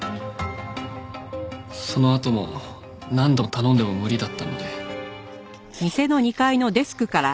そのあとも何度頼んでも無理だったので。